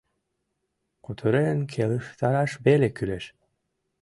Кутырен келыштараш веле кӱлеш.